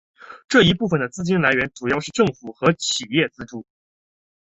这一部分的资金来源主要是政府和企业资助。